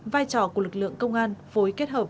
vai trò của lực lượng công an phối kết hợp